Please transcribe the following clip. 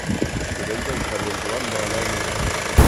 Diumenge en Xavi i en Joan volen anar al metge.